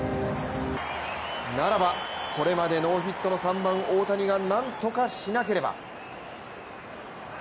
ならばこれまでノーヒットの３番・大谷がなんとかしなければ。